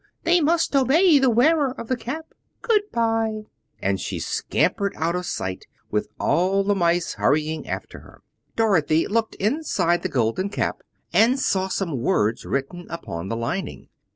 They must obey the wearer of the Cap. Good bye!" And she scampered out of sight, with all the mice hurrying after her. Dorothy looked inside the Golden Cap and saw some words written upon the lining.